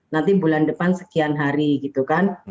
nanti bulan depan sekian hari gitu kan